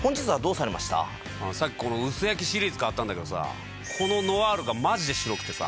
さっきこの薄焼きシリーズ買ったんだけどさぁこのノアールがマジで白くてさ。